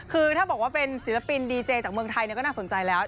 คือถ้าบอกว่าเป็นศิลปินดีเจจากเมืองไทยก็น่าสนใจแล้ว